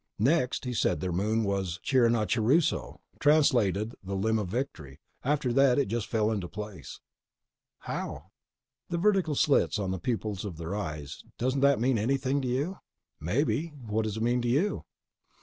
Next, he said their moon was Chiranachuruso, translated as The Limb of Victory. After that it just fell into place." "How?" "The vertical slit pupils of their eyes. Doesn't that mean anything to you?" "Maybe. What's it mean to you?"